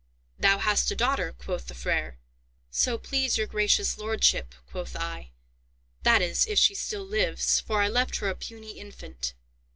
'Thou hast a daughter?' quoth the Freiherr. 'So please your gracious lordship,' quoth I; 'that is, if she still lives, for I left her a puny infant.